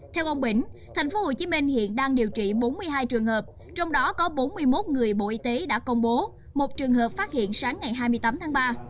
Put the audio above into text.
theo ông bỉnh tp hcm hiện đang điều trị bốn mươi hai trường hợp trong đó có bốn mươi một người bộ y tế đã công bố một trường hợp phát hiện sáng ngày hai mươi tám tháng ba